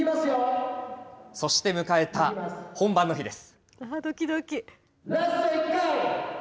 そして迎えた本番の日です。